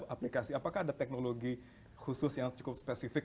apakah ada teknologi khusus yang cukup spesifik